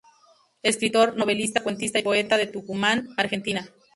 Escritor, novelista, cuentista y poeta de Tucumán, Argentina.